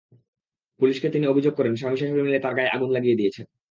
পুলিশকে তিনি অভিযোগ করেন, স্বামী-শাশুড়ি মিলে তাঁর গায়ে আগুন লাগিয়ে দিয়েছেন।